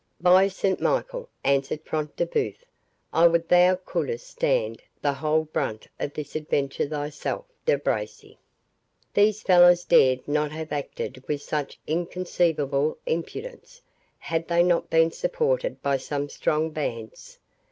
"By St Michael," answered Front de Bœuf, "I would thou couldst stand the whole brunt of this adventure thyself, De Bracy. These fellows dared not have acted with such inconceivable impudence, had they not been supported by some strong bands.